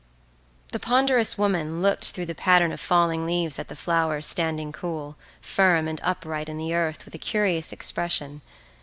The ponderous woman looked through the pattern of falling words at the flowers standing cool, firm, and upright in the earth, with a curious expression.